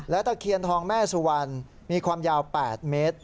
และตะเคียนทองแม่สุวรรณมีความยาว๘เมตร